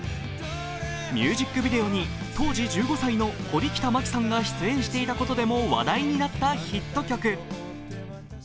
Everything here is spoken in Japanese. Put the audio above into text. ミュージックビデオに当時１５歳の堀北真希さんが出演していたことでも話題になったヒット曲。